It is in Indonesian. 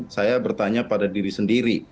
saya bertanya pada diri sendiri